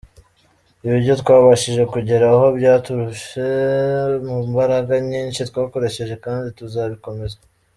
Ibyo twabashije kugeraho byaturutse mu mbaraga nyinshi twakoresheje kandi tuzabikomeza”.